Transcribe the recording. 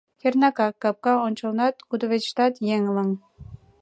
Кернакак, капка ончылнат, кудывечыштат — еҥ лыҥ.